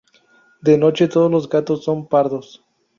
De noche todos los gatos son pardos